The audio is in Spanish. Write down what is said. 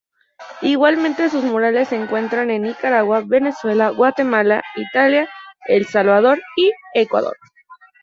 Igualmente sus murales se encuentran en Nicaragua, Venezuela, Guatemala, Italia, El Salvador y Ecuador.